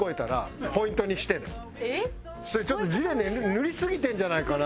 「それちょっと“ジレ”塗りすぎてるんじゃないかな」。